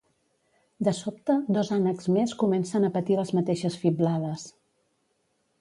De sobte dos ànecs més comencen a patir les mateixes fiblades.